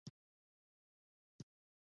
په لاس کې يې د کوګناک یو وړوکی بوتل وو.